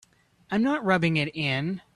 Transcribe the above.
I'm not rubbing it in.